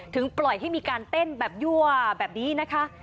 ปล่อยให้มีการเต้นแบบยั่วแบบนี้นะคะ